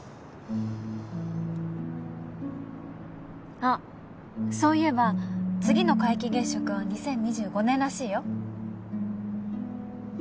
あっそういえば次の皆既月食は２０２５年らしいよ。